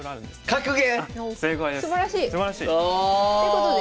格言。